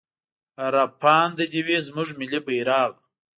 راپانده دې وي زموږ ملي بيرغ.